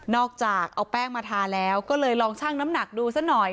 อกจากเอาแป้งมาทาแล้วก็เลยลองชั่งน้ำหนักดูซะหน่อย